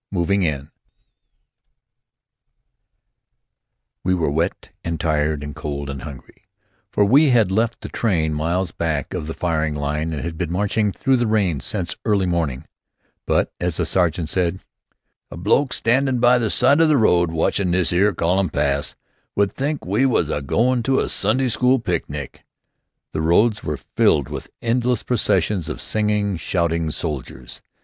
MOVING IN We were wet and tired and cold and hungry, for we had left the train miles back of the firing line and had been marching through the rain since early morning; but, as the sergeant said, "A bloke standin' by the side o' the road, watchin' this 'ere column pass, would think we was a go'n' to a Sunday school picnic." The roads were filled with endless processions of singing, shouting soldiers.